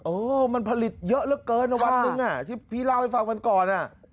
เออมันผลิตเยอะเหลือเกินวันหนึ่งที่พี่เล่าให้ฟังวันก่อน